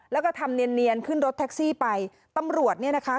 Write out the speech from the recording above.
แล้วก็ทำเนียนเนียนขึ้นรถแท็กซี่ไปตำรวจเนี่ยนะคะ